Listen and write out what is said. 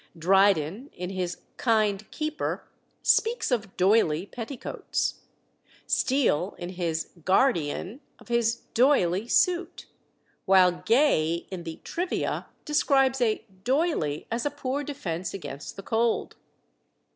Dryden, in his Kind Keeper, speaks of "Doyley" petticoats; Steele, in his Guardian, of his "Doyley" suit; while Gay, in the Trivia, describes a "Doyley" as a poor defence against the cold.